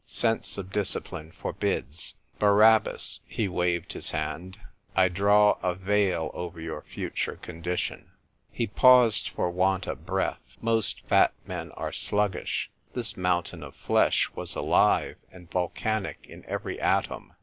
Sense of discipline forbids ! Barabbas," he waved his hand, " I draw a veil over your future condition !" He paused for want of breath. Most fat men are sluggish : this mountain of flesh was alive and volcanic in every atom.